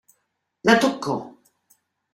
La toccò.